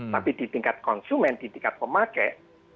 tapi di tingkat konsumen di tingkat pemakai